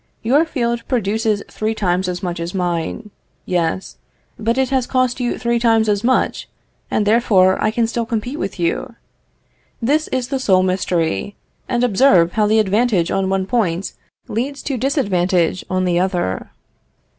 Your field produces three times as much as mine. Yes. But it has cost you three times as much, and therefore I can still compete with you: this is the sole mystery. And observe how the advantage on one point leads to disadvantage on the other.